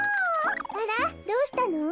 あらっどうしたの？